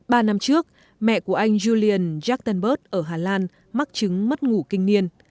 ba năm trước mẹ của anh julian jaktenberg ở hà lan mắc chứng mất ngủ kinh niên